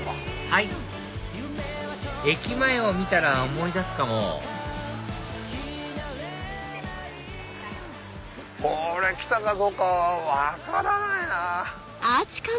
はい駅前を見たら思い出すかもこれ来たかどうか分からないな。